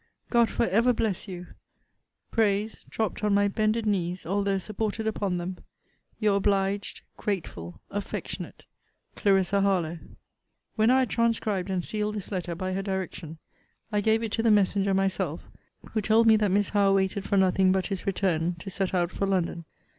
God for ever bless you! prays, dropt on my bended knees, although supported upon them, Your obliged, grateful, affectionate, CL. HARLOWE. When I had transcribed and sealed this letter, by her direction, I gave it to the messenger myself, who told me that Miss Howe waited for nothing but his return to set out for London.